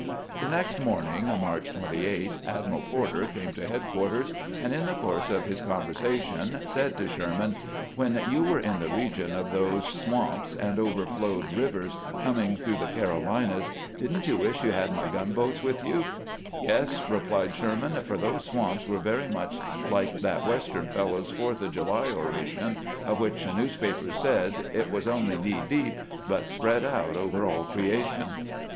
The next morning (March 28) Admiral Porter came to headquarters, and in the course of his conversation said to Sherman: "When you were in the region of those swamps and overflowed rivers, coming through the Carolinas, did n't you wish you had my gunboats with you 1 "" Yes," answered Sherman ;" for those swamps were very much like that Western fellow's Fourth of July oration, of which a newspaper said, 'It was only knee deep, but spread out over all creation.'